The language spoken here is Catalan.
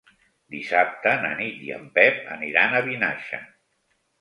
Dissabte na Nit i en Pep aniran a Vinaixa.